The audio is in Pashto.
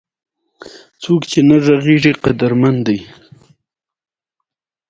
د غزني د ستوري ماڼۍ د محمود غزنوي د تفریح ځای و